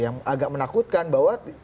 yang agak menakutkan bahwa